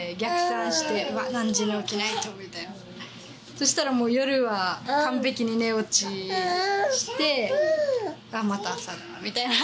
そうしたらもう夜は完璧に寝落ちして「また朝だ！」みたいな。